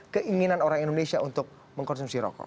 keinginan orang indonesia untuk mengkonsumsi rokok